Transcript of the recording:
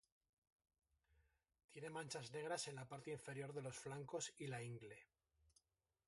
Tiene manchas negras en la parte inferior de los flancos y la ingle.